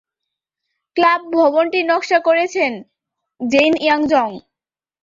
Club ভবনটির নকশা করেন জেইন ইয়ার জং।